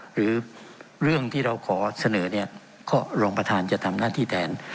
หรือเรื่องที่เราขอเสนอเนี่ยก็รองประธานจะทำหน้าที่แทน